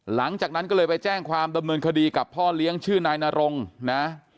หลังจากนั้นก็เลยไปแจ้งความดำเนินคดีกับพ่อเลี้ยงชื่อนายนรงนะ